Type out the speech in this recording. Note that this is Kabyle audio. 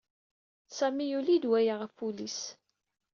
Sami yuli-d waya Ɣef wul-is.